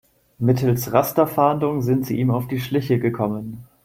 Mittels Rasterfahndung sind sie ihm auf die Schliche gekommen.